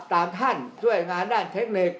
ท่านช่วยงานด้านเทคนิค